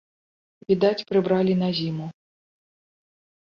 Відаць, прыбралі на зіму.